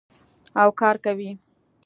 او کار کوي.